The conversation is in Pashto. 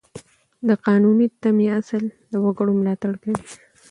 د قانوني تمې اصل د وګړو ملاتړ کوي.